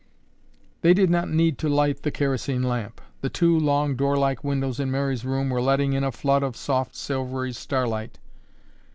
They did not need to light the kerosene lamp. The two long door like windows in Mary's room were letting in a flood of soft, silvery starlight.